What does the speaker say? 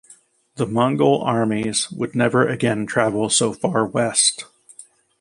The Mongol armies would never again travel so far west.